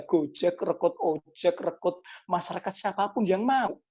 gojek rekut ojek rekut masyarakat siapapun yang mau